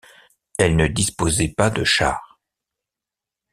Elle ne disposait pas de chars.